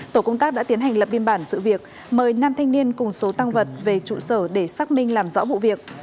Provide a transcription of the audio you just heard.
tổ công tác đã tiến hành lập biên bản sự việc mời nam thanh niên cùng số tăng vật về trụ sở để xác minh làm rõ vụ việc